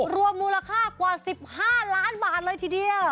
รวมมูลค่ากว่า๑๕ล้านบาทเลยทีเดียว